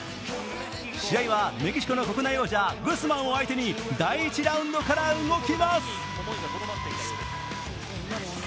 試合はメキシコの国内王者グスマンを相手に第１ラウンドから動きます。